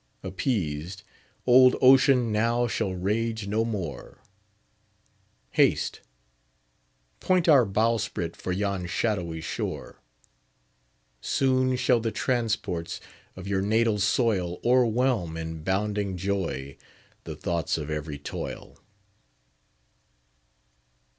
Appeased, old Ocean now shall rage no more; Haste, point our bowsprit for yon shadowy shore. Soon shall the transports of your natal soil O'erwhelm in bounding joy the thoughts of every toil."